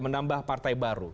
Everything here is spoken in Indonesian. menambah partai baru